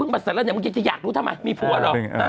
ไปเสร็จแล้วอยากรู้ทำไมมีผัวหรอ